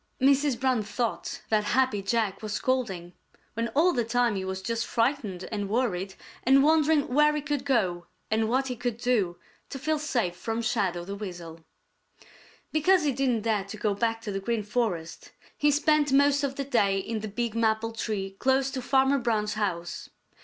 Mrs. Brown thought that Happy Jack was scolding, when all the time he was just frightened and worried and wondering where he could go and what he could do to feel safe from Shadow the Weasel. Because he didn't dare to go back to the Green Forest, he spent most of the day in the big maple tree close to Farmer Brown's house.